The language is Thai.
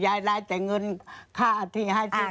ยายได้แต่เงินค่าที่ให้ที่ดินวัด